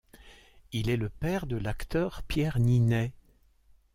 Il est le père de l’acteur Pierre Niney.